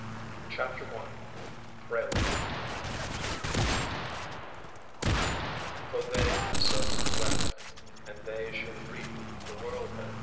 ARCADIA IN AVERNUS "_For they have sown the wind, and they shall reap the whirlwind.